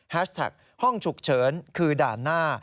แท็กห้องฉุกเฉินคือด่านหน้า